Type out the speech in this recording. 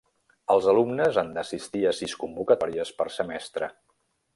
Els alumnes han d'assistir a sis convocatòries per semestre.